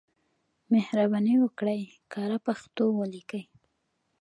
مهرباني وکړئ کره پښتو ولیکئ.